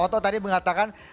mas toto tadi mengatakan